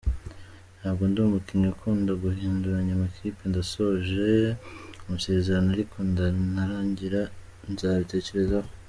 Ntabwo ndi umukinnyi ukunda guhinduranya amakipe ndasoje amasezerano ariko narangira nzabitekerezaho.